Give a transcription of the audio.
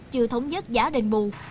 chưa thống nhất giá đền bù